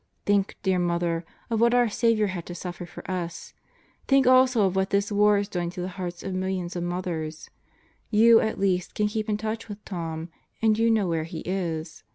Think, dear Mother, of what our Saviour had to suffer for us. Think also of what this war is doing to the hearts of millions of mothers. You, at least, can keep in touch with Tom and you know where he is.